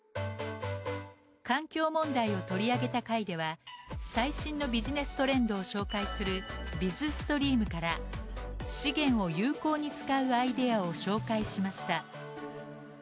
環境問題を取り上げた回では最新のビジネストレンドを紹介する「ＢＩＺＳＴＲＥＡＭ」から資源を有効に使うアイデアを紹介しました。